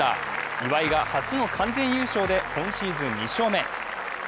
岩井が初の完全優勝で今シーズン２勝目。